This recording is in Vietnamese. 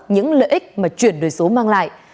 những lợi ích mà chuyển đổi số mang lại